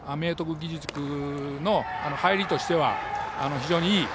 義塾の入りとしては非常にいい。